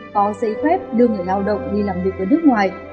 có giấy phép đưa người lao động đi làm việc ở nước ngoài